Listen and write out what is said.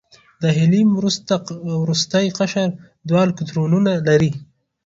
د هیلیم وروستی قشر دوه الکترونونه لري.